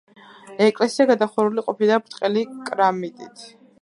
ეკლესია გადახურული ყოფილა ბრტყელი კრამიტით.